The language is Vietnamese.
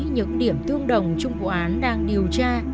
những điểm tương đồng trong vụ án đang điều tra